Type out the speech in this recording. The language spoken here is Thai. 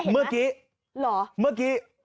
เมื่อกี้